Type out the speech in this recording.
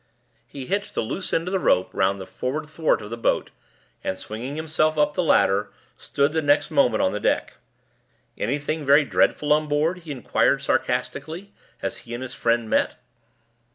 He hitched the loose end of the rope round the forward thwart of the boat, and, swinging himself up the ladder, stood the next moment on the deck. "Anything very dreadful on board?" he inquired sarcastically, as he and his friend met.